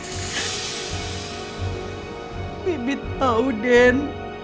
tapi kenapa dan